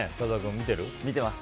見てます。